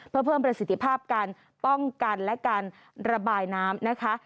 เพื่อเพิ่มประสิทธิภาพการป้องกันและการระบายน้ำนะคะ